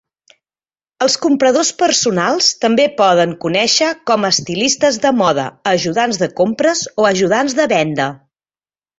Els compradors personals també poden conèixer com estilistes de moda, ajudants de compres o ajudants de venda.